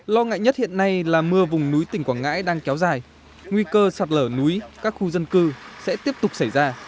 lo ngại nhất hiện nay là mưa vùng núi tỉnh quảng ngãi đang kéo dài nguy cơ sạt lở núi các khu dân cư sẽ tiếp tục xảy ra